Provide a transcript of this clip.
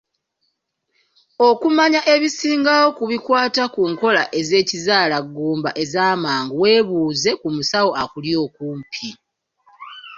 Okumanya ebisingawo ku bikwata ku nkola z'ekizaalaggumba ez'amangu, weebuuze ku musawo akuli okumpi.